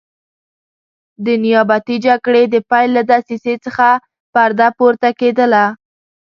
د نیابتي جګړې د پیل له دسیسې څخه پرده پورته کېدله.